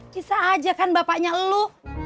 bisa aja kan bapaknya elu